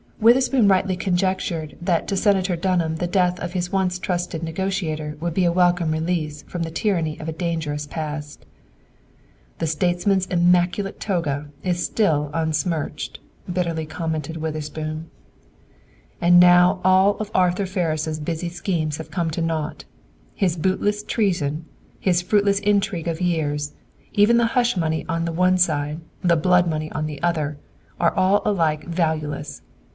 Witherspoon rightly conjectured that to Senator Dunham the death of his once trusted negotiator would be a welcome release from the tyranny of a dangerous past. "The statesman's immaculate toga is still unsmirched," bitterly commented Witherspoon. "And now all of Arthur Ferris' busy schemes have come to naught! His bootless treason, his fruitless intrigue of years, even the hush money on the one side, the blood money on the other, are all alike valueless!